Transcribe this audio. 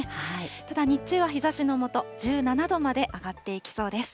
ただ、日中は日ざしの下、１７度まで上がっていきそうです。